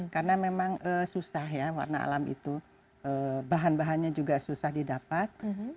karena memang susah ya warna alam itu bahan bahannya juga susah didapat